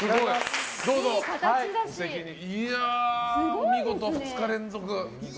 お見事、２日連続！